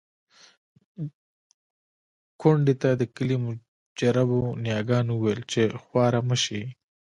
کونډې ته د کلي مجربو نياګانو وويل چې خواره مه شې.